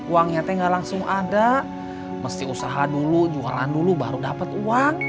uangnya teh gak langsung ada mesti usaha dulu jualan dulu baru dapat uang